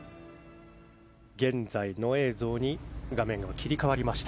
現在の映像に切り替わりました。